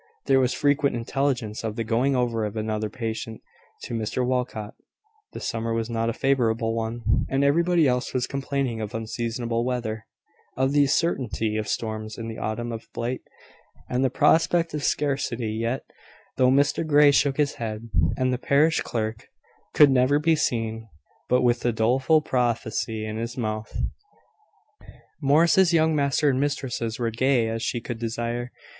There was frequent intelligence of the going over of another patient to Mr Walcot; the summer was not a favourable one, and everybody else was complaining of unseasonable weather, of the certainty of storms in the autumn, of blight, and the prospect of scarcity; yet, though Mr Grey shook his head, and the parish clerk could never be seen but with a doleful prophecy in his mouth, Morris's young master and mistresses were gay as she could desire.